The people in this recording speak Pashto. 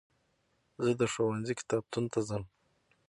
زه د ښوونځي کتابتون ته ځم.